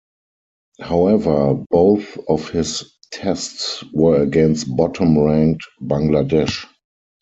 However, both of his Tests were against bottom-ranked Bangladesh.